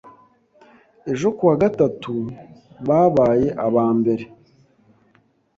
ejo ku wa gatatu babaye aba mbere